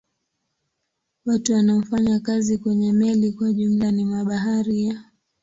Watu wanaofanya kazi kwenye meli kwa jumla ni mabaharia.